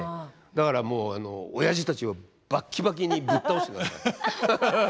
だからおやじたちをバッキバキにぶっ倒してください。